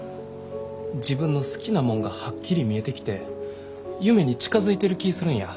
自分の好きなもんがはっきり見えてきて夢に近づいてる気ぃするんや。